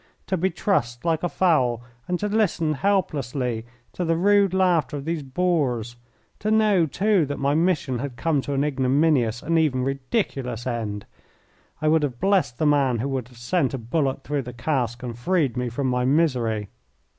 To be trussed like a fowl and to listen helplessly to the rude laughter of these boors to know, too, that my mission had come to an ignominious and even ridiculous end I would have blessed the man who would have sent a bullet through the cask and freed me from my misery.